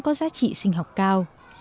có giá trị sinh học cao